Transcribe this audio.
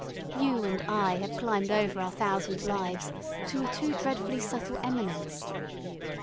You and I have climbed over our thousand lives to a too dreadfully subtle eminence.